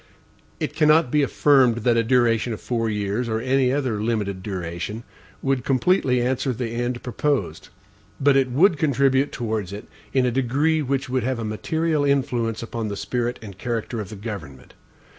It cannot be affirmed, that a duration of four years, or any other limited duration, would completely answer the end proposed; but it would contribute towards it in a degree which would have a material influence upon the spirit and character of the government.